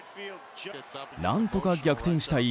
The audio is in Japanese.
何とか逆転したい